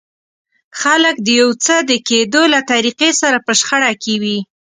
خلک د يو څه د کېدو له طريقې سره په شخړه کې وي.